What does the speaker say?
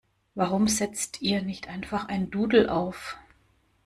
Warum setzt ihr nicht einfach ein Doodle auf?